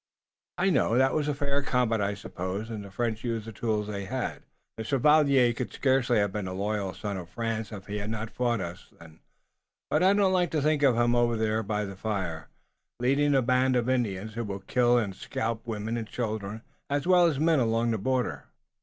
"I know. That was fair combat, I suppose, and the French used the tools they had. The Chevalier could scarcely have been a loyal son of France if he had not fought us then, but I don't like to think of him over there by the fire, leading a band of Indians who will kill and scalp women and children as well as men along the border."